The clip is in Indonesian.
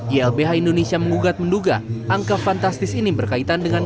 ylbh indonesia mengugat menduga angka fantastis ini berkaitan dengan